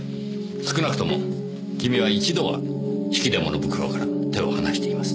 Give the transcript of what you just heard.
少なくともキミは一度は引き出物袋から手を離しています。